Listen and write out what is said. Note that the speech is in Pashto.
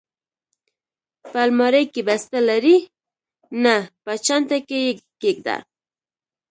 په المارۍ کې، بسته لرې؟ نه، په چانټه کې یې کېږده.